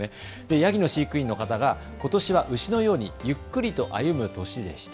ヤギの飼育員の方がことしはうしのようにゆっくりと歩む年でした。